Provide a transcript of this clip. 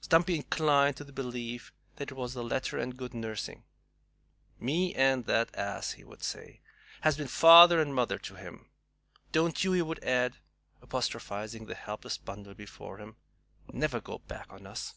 Stumpy inclined to the belief that it was the latter and good nursing. "Me and that ass," he would say, "has been father and mother to him! Don't you," he would add, apostrophizing the helpless bundle before him, "never go back on us."